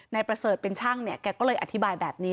นายประเสริฐเป็นช่างเนี่ยแกก็เลยอธิบายแบบนี้